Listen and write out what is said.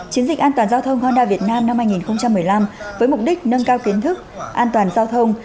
chiến dịch an toàn giao thông honda việt nam năm hai nghìn một mươi năm với mục đích nâng cao kiến thức an toàn giao thông